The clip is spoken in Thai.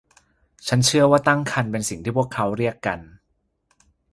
ฉันเชื่อว่าตั้งครรภ์เป็นสิ่งที่พวกเขาเรียกกัน